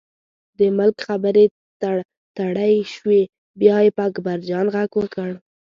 د ملک خبرې تړتړۍ شوې، بیا یې په اکبرجان غږ وکړ.